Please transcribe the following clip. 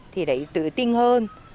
thì đấy tự tin hơn